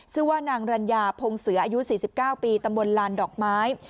ซึ่งว่านางรัญญาพงเสืออายุสี่สิบเก้าปีตำบลลานดอกไม้